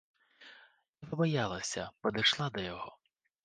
Не пабаялася, падышла да яго.